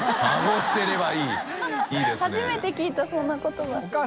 初めて聞いたそんな言葉。